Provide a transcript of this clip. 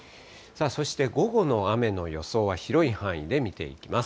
そして午後の雨の予想は広い範囲で見ていきます。